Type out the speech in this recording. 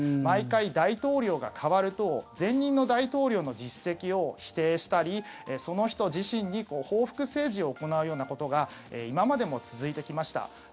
毎回、大統領が代わると前任の大統領の実績を否定したりその人自身に報復政治を行うようなことが今までも続いてきました。